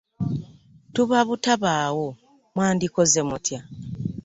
Tuba butabaawo mwandikoze mutya?